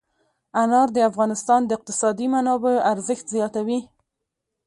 انار د افغانستان د اقتصادي منابعو ارزښت زیاتوي.